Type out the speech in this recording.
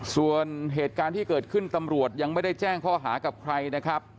ส่วนเหตุการณ์ที่เกิดขึ้นตำรวจยังไม่ได้แจ้งข้อหากับใครนะครับ